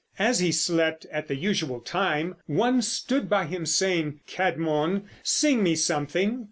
As he slept at the usual time, one stood by him saying: "Cædmon, sing me something."